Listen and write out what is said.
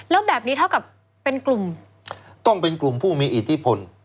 แล้วแบบนี้เท่ากับเป็นกลุ่มต้องเป็นกลุ่มผู้มีอิทธิพล